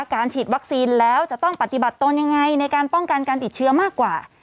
ฉีดวัคซีนแล้วจะต้องปฏิบัติตนยังไงในการป้องกันการติดเชื้อมากกว่า